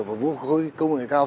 và vũ khối công hệ cao